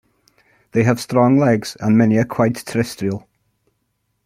They have strong legs, and many are quite terrestrial.